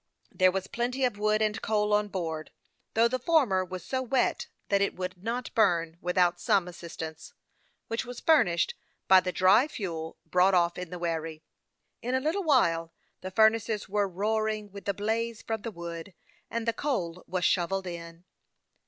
There was plenty of wood and coal on board, though the former was so wet that it would not burn Avith THE YOUNG PILOT OF LAKE CHAMPLAIX. 179 out some assistance, which was furnished by the dry fuel brought off in the wherry. In a little while the furnaces were roaring with the blaze from the Avood, and the coal was shovelled in.